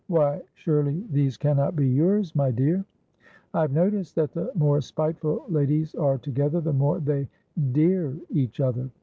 Why, surely these cannot be your's, my dear?'—I have noticed that the more spiteful ladies are together, the more they 'dear' each other.